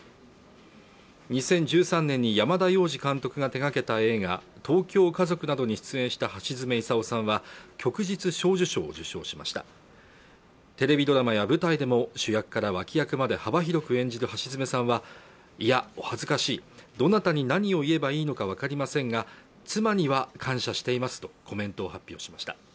２０１３年に山田洋次監督が手がけた映画「東京家族」などに出演した橋爪功さんは旭日小綬章を受章しましたテレビドラマや舞台でも主役から脇役まで幅広く演じる橋爪さんはいやお恥ずかしいどなたに何を言えばいいのかわかりませんが妻には感謝していますとコメントを発表しました